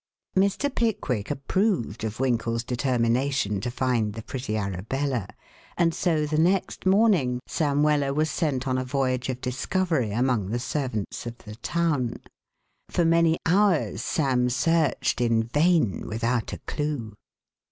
Mr. Pickwick approved of Winkle's determination to find the pretty Arabella, and so the next morning Sam Weller was sent on a voyage of discovery among the servants of the town. For many hours Sam searched in vain without a clue.